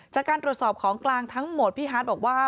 จากการตรวจสอบของกลางทั้งหมดพี่ฮาร์ดบอกว่า